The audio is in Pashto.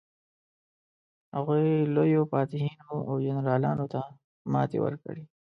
هغوی لویو فاتحینو او جنرالانو ته ماتې ورکړې.